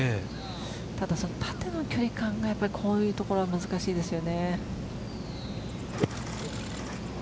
ただ縦の距離感がこういうところ難しいですよね。